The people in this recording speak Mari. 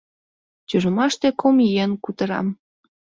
Тюрьмаште кум еҥ кутыра.